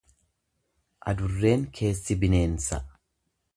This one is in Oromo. Adurreen keessi bineensa.